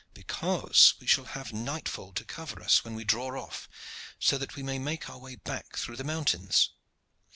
"Because we shall have nightfall to cover us when we draw off, so that we may make our way back through the mountains.